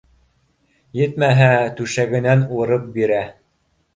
Етмәһә, түшәгенән урып бирә